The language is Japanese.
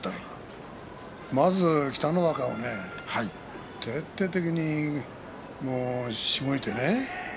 北の若を徹底的にしごいてね。